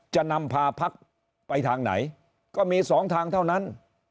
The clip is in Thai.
จะนำพาพักไปทางไหนก็มีสองทางเท่านั้น